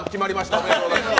ありがとうございます。